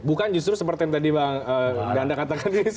bukan justru seperti yang tadi bang ganda katakan